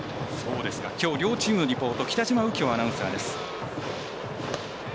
きょう両チームのリポート北嶋右京アナウンサーです。